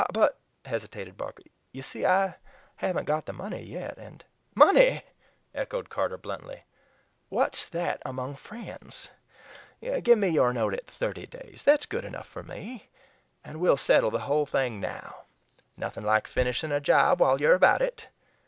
"But," hesitated Barker, "you see I haven't got the money yet, and " "Money!" echoed Carter bluntly, "what's that among friends? Gimme your note at thirty days that's good enough for ME. An' we'll settle the whole thing now nothing like finishing a job while you're about it."